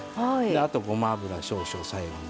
あとごま油少々最後に。